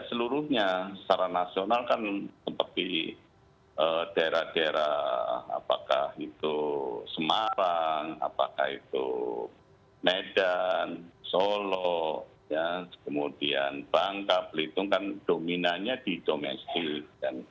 seluruhnya secara nasional kan seperti daerah daerah apakah itu semarang apakah itu medan solo kemudian bangka belitung kan dominannya di domestik